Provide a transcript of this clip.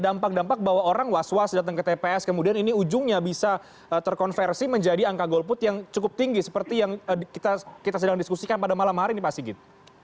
dampak dampak bahwa orang was was datang ke tps kemudian ini ujungnya bisa terkonversi menjadi angka golput yang cukup tinggi seperti yang kita sedang diskusikan pada malam hari ini pak sigit